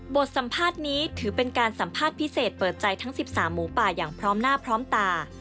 สัมภาษณ์นี้ถือเป็นการสัมภาษณ์พิเศษเปิดใจทั้ง๑๓หมูป่าอย่างพร้อมหน้าพร้อมตา